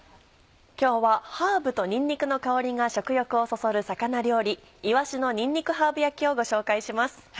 今日はハーブとにんにくの香りが食欲をそそる魚料理「いわしのにんにくハーブ焼き」をご紹介します。